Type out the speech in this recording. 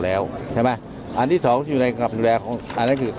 ตราบใดที่ตนยังเป็นนายกอยู่